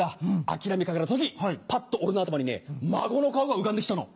諦めかけた時パッと俺の頭にね孫の顔が浮かんで来たの。